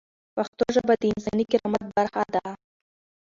پښتو ژبه د انساني کرامت برخه ده.